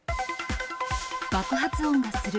爆発音がする。